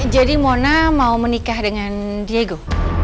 jadi mona mau menikah dengan diego